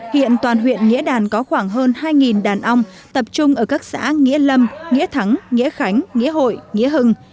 hiện toàn huyện nghĩa đàn có khoảng hơn hai đàn ong tập trung ở các xã nghĩa lâm nghĩa thắng nghĩa khánh nghĩa hội nghĩa hưng